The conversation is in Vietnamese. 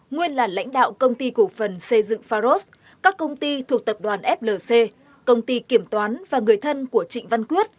nguyên là lãnh đạo công ty cổ phần xây dựng pharos các công ty thuộc tập đoàn flc công ty kiểm toán và người thân của trịnh văn quyết